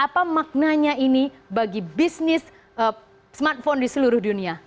apa maknanya ini bagi bisnis smartphone di seluruh dunia